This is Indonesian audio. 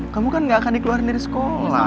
kamu kan gak akan dikeluarkan dari sekolah